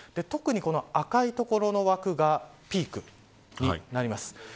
特に、この赤い所の枠がピークになります。